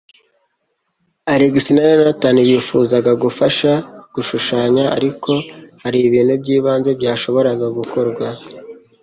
Alex na Yonatani bifuzaga gufasha gushushanya, ariko hari ibintu by'ibanze byashoboraga gukorwa.